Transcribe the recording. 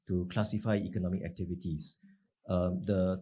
untuk mengklasifikasi aktivitas ekonomi